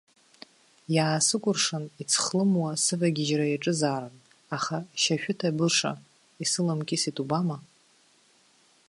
Иаасыкәыршан ицхлымуа сывагьежьра иаҿызаарын, аха шьашәы иҭарблыша, исыламкьысит, убама!